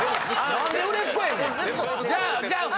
何で売れっ子やねん。